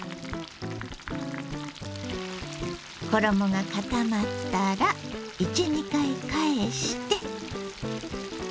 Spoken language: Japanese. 衣が固まったら１２回返して。